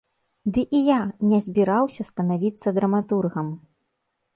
Ды і я не збіраўся станавіцца драматургам.